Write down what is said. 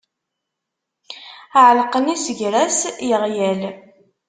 Ɛellqen isegras yeɣyal.